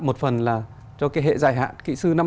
một phần là cho hệ dài hạn kỹ sư năm năm